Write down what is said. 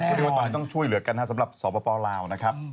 พูดดีว่าตอนนี้ต้องช่วยเหลือกันนะสำหรับสอบปลาวนะครับ